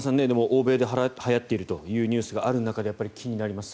欧米ではやっているというニュースがある中でやっぱり気になります。